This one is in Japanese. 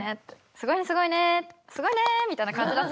「すごいねすごいねすごいね！」みたいな感じだと。